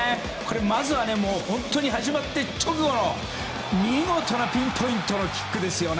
まずは、本当に始まって直後の見事なピンポイントのキック。